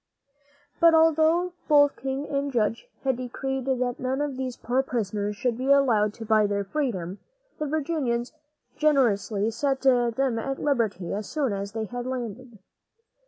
But although both king and judge had decreed that none of these poor prisoners should be allowed to buy their freedom, the Virginians generously set them at liberty as soon as they landed.